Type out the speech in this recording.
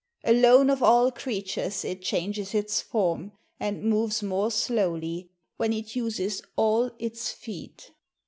Alone of all creatures it changes its form, and moves more slowly when it uses all its feet.'